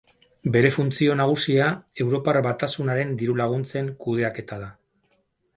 Bere funtzio nagusia Europar Batasunaren diru-laguntzen kudeaketa da.